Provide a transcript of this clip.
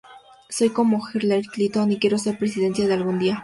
Soy como Hillary Clinton, y quiero ser presidenta algún día.